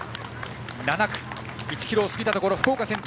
７区、１ｋｍを過ぎたところで福岡が先頭。